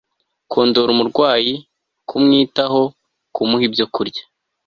kondora umurwayi kumwitaho, kumuha ibyo kurya